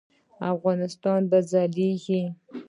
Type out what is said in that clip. افغانستان به ځلیږي